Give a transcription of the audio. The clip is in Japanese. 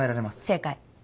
正解。